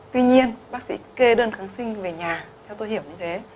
tuy nhiên bác sĩ kê đơn kháng sinh về nhà theo tôi hiểu như thế